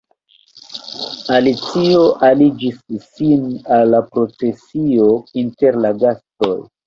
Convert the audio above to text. Alicio aligis sin al la procesio inter la gastoj.